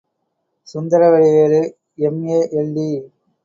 Sundaravadivelu, M A., எல்.டி.